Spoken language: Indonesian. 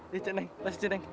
ya cek neng